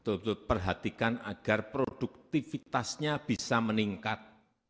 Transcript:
memiliki sawah betul betul perhatikan agar produktivitasnya bisa meningkat